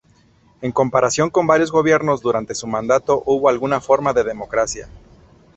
En comparación con varios gobiernos, durante su mandato hubo alguna forma de democracia.